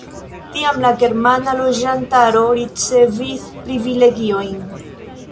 Tiam la germana loĝantaro ricevis privilegiojn.